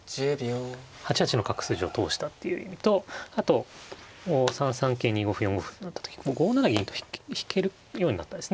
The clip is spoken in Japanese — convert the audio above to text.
８八の角筋を通したっていう意味とあと３三桂２五歩４五歩となった時５七銀と引けるようになったんですね。